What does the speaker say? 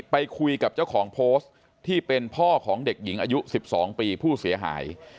ไปคุยกับเจ้าของโพสต์ที่เป็นพ่อของเด็กหญิงอายุ๑๒ปีผู้เสียหาย